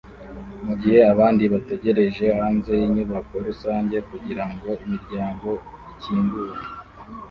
Mugihe abandi bategereje hanze yinyubako rusange kugirango imiryango ikingure